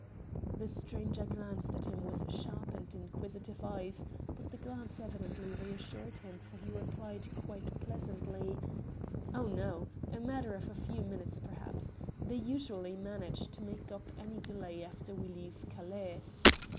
The stranger glanced at him with sharp and inquisitive eyes, but the glance evidently reassured him, for he replied quite pleasantly "Oh, no. A matter of a few minutes, perhaps. They usually manage to make up any delay after we leave Calais."